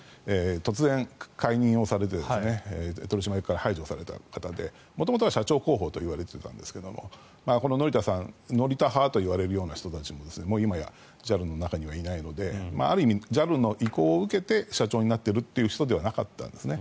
突然、解任をされて取締役から排除された方で元々は社長候補と言われていたんですが乗田さん、乗田派といわれるような人たちも、今やＪＡＬの中にはいないのでＪＡＬの意向を受けて社長になってる人ではなかったんですね。